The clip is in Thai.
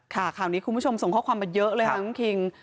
ข่าวนี้คุณผู้ชมส่งข้อความมาเยอะเลยค่ะคุณคิง